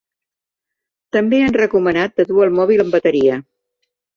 També han recomanat de dur el mòbil amb bateria.